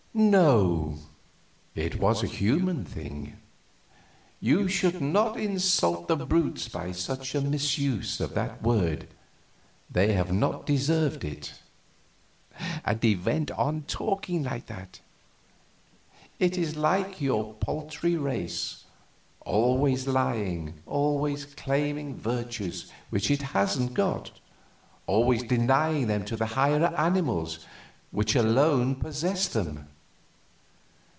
"No, it was a human thing. You should not insult the brutes by such a misuse of that word; they have not deserved it," and he went on talking like that. "It is like your paltry race always lying, always claiming virtues which it hasn't got, always denying them to the higher animals, which alone possess them.